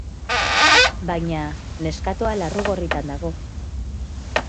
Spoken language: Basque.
Baina..., neskatoa larru gorritan dago.